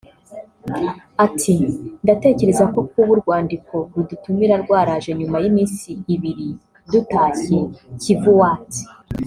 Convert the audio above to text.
Ati” ndatekereza ko kuba urwandiko rudutumira rwaraje nyuma y’iminsi ibiri dutashye KivuWatt